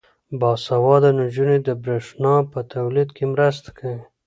باسواده نجونې د برښنا په تولید کې مرسته کوي.